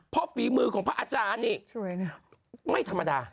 เพราะฝีมือของพระอาจารย์นี่ไม่ธรรมดา